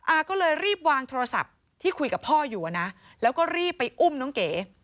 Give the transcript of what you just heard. อาก็เลยรีบวางโทรศัพท์ที่คุยกับพ่ออยู่นะแล้วก็รีบไปอุ้มน้องเก๋